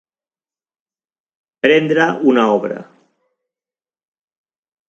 Prendre una obra.